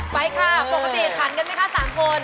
ไปค่ะปกติขันกันไหมคะ๓คน